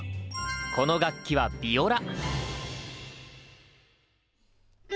この楽器はヴィオラ！